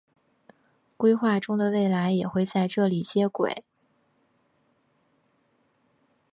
规划中的未来也会在这里接轨。